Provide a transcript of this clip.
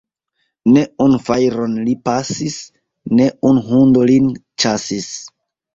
Ne unu fajron li pasis, ne unu hundo lin ĉasis.